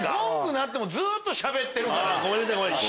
鳴ってもずっとしゃべってる。